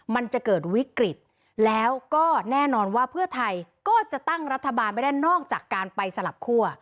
มันจะเกิดวิกฤตแล้วก็แน่นอนว่าเพื่อไทยก็จะตั้งรัฐบาลไม่ได้นอกจากการไปสลับคั่ว